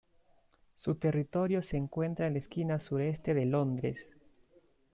Su territorio se encuentra en la esquina sureste de Londres.